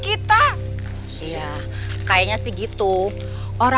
kita ya kayaknya gitu orang mungkin jatuh masya allah